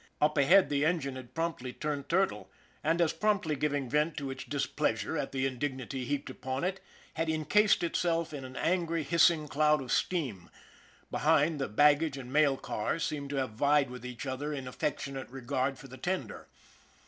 Up ahead, the engine had promptly turned turtle, and, as promptly giving vent to its dis pleasure at the indignity heaped upon it, had incased itself in an angry, hissing cloud of steam; behind, the baggage and mail cars seemed to have vied with each other in affectionate regard for the tender.